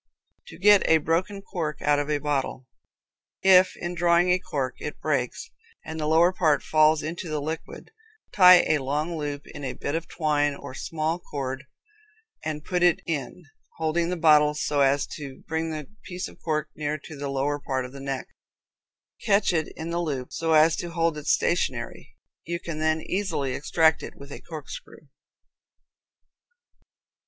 To Get a Broken Cork Out of a Bottle. If, in drawing a cork, it breaks, and the lower part falls down into the liquid, tie a long loop in a bit of twine, or small cord, and put it in, holding the bottle so as to bring the piece of cork near to the lower part of the neck. Catch it in the loop, so as to hold it stationary. You can then easily extract it with a corkscrew.